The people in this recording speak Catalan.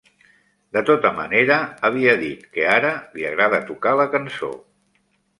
De tota manera, havia dit que ara li agrada tocar la cançó.